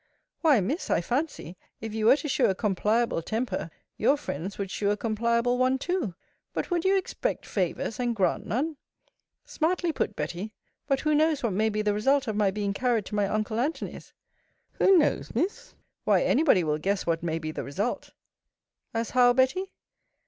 Why, Miss, I fancy, if you were to shew a compliable temper, your friends would shew a compliable one too. But would you expect favours, and grant none? Smartly put, Betty! But who knows what may be the result of my being carried to my uncle Antony's? Who knows, Miss! Why any body will guess what may be the result. As how, Betty?